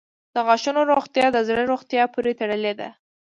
• د غاښونو روغتیا د زړه روغتیا پورې تړلې ده.